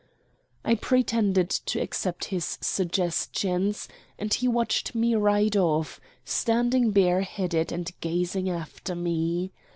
I pretended to accept his suggestions, and he watched me ride off, standing bare headed and gazing after me.